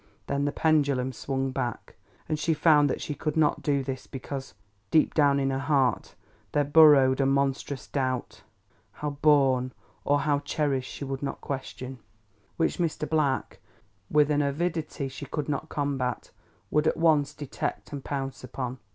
Then the pendulum swung back, and she found that she could not do this because, deep down in her heart, there burrowed a monstrous doubt (how born or how cherished she would not question), which Mr. Black, with an avidity she could not combat, would at once detect and pounce upon.